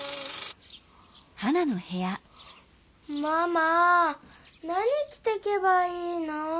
ママ何きてけばいいの？